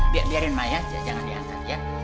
biarin mayat ya jangan diangkat ya